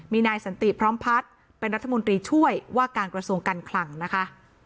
มีนายสันติพร้อมพัฒน์เป็นรัฐมนตรีช่วยว่าการกระทรวงการคลังนะคะ